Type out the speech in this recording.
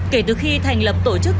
kể từ khi thành lập tổ chức